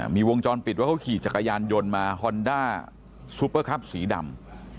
มีวงจรปิดว่าเขาขี่จักรยานยนต์มาฮอนด้าซูเปอร์คับสีดำ